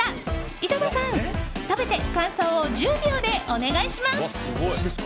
井戸田さん、食べて感想を１０秒でお願いします。